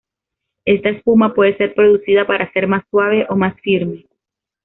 Esta espuma puede ser producida para ser más suave o más firme.